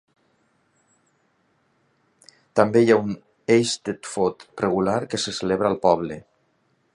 També hi ha un Eisteddfod regular que se celebra al poble.